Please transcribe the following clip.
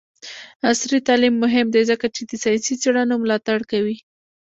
عصري تعلیم مهم دی ځکه چې د ساینسي څیړنو ملاتړ کوي.